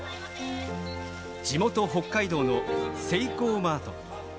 地元北海道のセイコーマート。